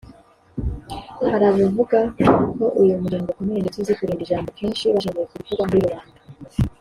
Hari abavuga ko uyu muryango ukomeye ndetse uzi kurinda ijambo kenshi bashingiye kubivugwa muri rubanda